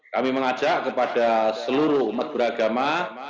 kami mengajak kepada seluruh umat beragama